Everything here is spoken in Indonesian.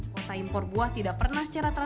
kuota impor buah tidak pernah secara transportasi